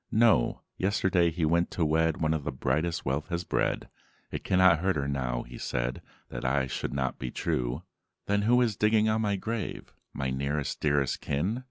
"No: yesterday he went to wed One of the brightest wealth has bred. 'It cannot hurt her now,' he said, 'That I should not be true.'" "Then who is digging on my grave, My nearest dearest kin?"